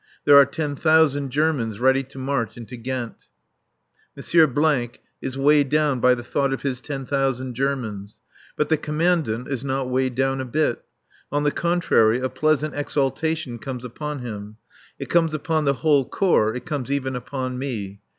There are ten thousand Germans ready to march into Ghent. M. is weighed down by the thought of his ten thousand Germans. But the Commandant is not weighed down a bit. On the contrary, a pleasant exaltation comes upon him. It comes upon the whole Corps, it comes even upon me.